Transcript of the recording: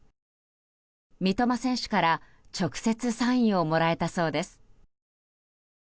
三笘選手から直接サインをもらえたそうです。